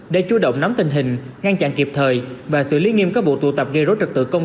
để chú động nắm tình hình ngăn chặn kịp thời và xử lý nghiêm các vụ tụ tập gây rối trật tự công